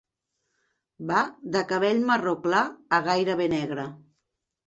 Va de cabell marró clar a gairebé negre.